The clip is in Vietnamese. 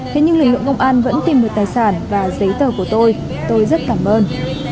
thế nhưng lực lượng công an vẫn tìm được tài sản và giấy tờ của tôi tôi rất cảm ơn